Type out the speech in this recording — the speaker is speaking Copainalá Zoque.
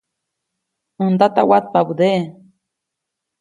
ʼÄj ndata watpabädeʼe.